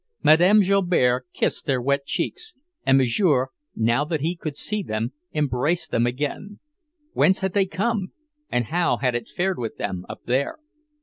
Mme. Joubert kissed their wet cheeks, and Monsieur, now that he could see them, embraced them again. Whence had they come, and how had it fared with them, up there?